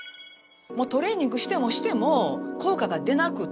トレーニングしてもしても効果が出なくって疲れるんですよ。